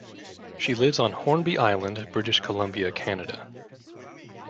She lives on Hornby Island, British Columbia, Canada.